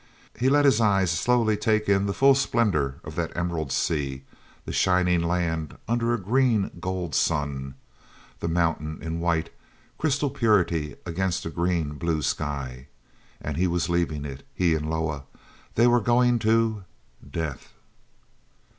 He let his eyes slowly take in the full splendor of that emerald sea, the shining land under a green gold sun, the Mountain in white, crystal purity against a green blue sky. And he was leaving it, he and Loah; they were going to—death!